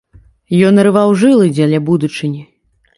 Ён ірваў жылы дзеля будучыні.